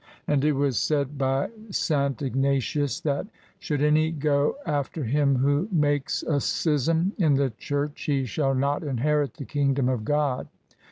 And it was said by St Ignatius that should any go after him who makes a schism in the church, he shall not inherit the kingdom of God.